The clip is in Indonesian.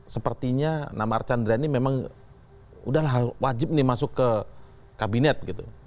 sepertinya nama archan dertahar ini memang wajib dimasuk ke kabinet